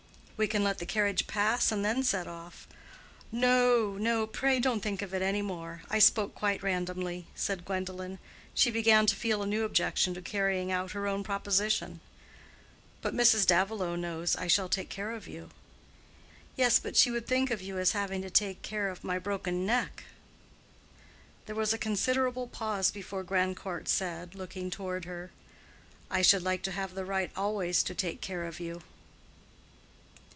"We can let the carriage pass and then set off." "No, no, pray don't think of it any more: I spoke quite randomly," said Gwendolen; she began to feel a new objection to carrying out her own proposition. "But Mrs. Davilow knows I shall take care of you." "Yes, but she would think of you as having to take care of my broken neck." There was a considerable pause before Grandcourt said, looking toward her, "I should like to have the right always to take care of you."